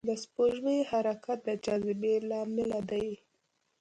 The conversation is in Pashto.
د سپوږمۍ حرکت د جاذبې له امله دی.